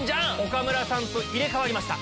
岡村さんと入れ替わりました。